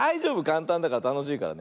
かんたんだからたのしいから。